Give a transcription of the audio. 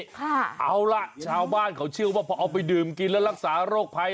เอาล่ะชาวบ้านเขาเชื่อว่าพอเอาไปดื่มกินแล้วรักษาโรคภัย